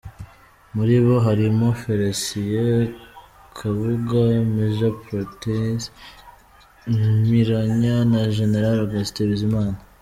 Muri bo harimo Félicien Kabuga, Major Protais Mpiranya na jenerali Augustin Bizimana.